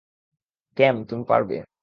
ক্যাম, তুমি পারবে।